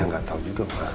ya gak tau juga mah